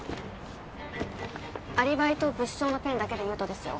アリバイと物証のペンだけで言うとですよ